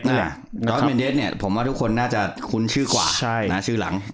ดอสเมนเดสเนี่ยผมว่าทุกคนน่าจะคุ้นชื่อกว่าชื่อหลัง